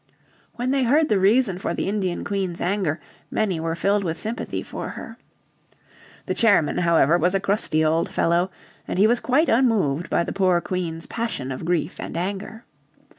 '" When they heard the reason for the Indian Queen's anger many were filled with sympathy for her. The chairman however was a crusty old fellow, and he was quite unmoved by the poor Queen's passion of grief and anger.